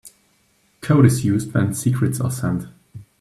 Code is used when secrets are sent.